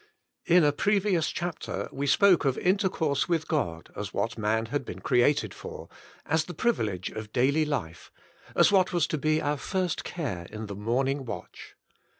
In a previous chapter we spoke of Intercourse with God as what man had been created for, as 32 Moses, the Man of God 33 the privilege of daily life, as what was to be our first care in the morning watch.